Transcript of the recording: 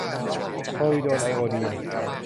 โพวิโดน ไอโอดีน